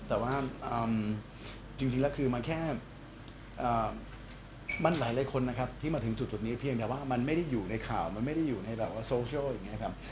แต่ว่าจริงแล้วคือมันแค่มันหลายคนนะครับที่มาถึงจุดนี้เพียงแต่ว่ามันไม่ได้อยู่ในข่าวมันไม่ได้อยู่ในแบบว่าโซเชียลอย่างนี้ครับ